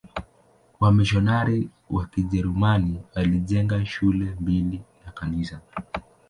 Wamisionari wa Kijerumani walijenga shule mbili na kanisa.